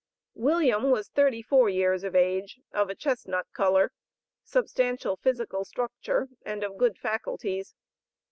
William was thirty four years of age, of a chestnut color, substantial physical structure, and of good faculties.